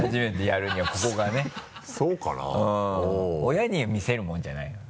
親に見せるものじゃないから。